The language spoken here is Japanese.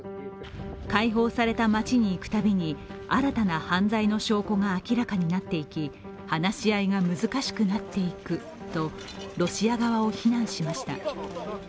解放された町に行くたびに新たな犯罪の証拠が明らかになっていき話し合いが難しくなっていくと、ロシア側を非難しました。